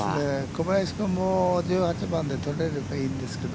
小林君も１８番で取れればいいんですけど。